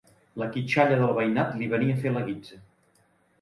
La quitxalla del veïnat li venia a fer la guitza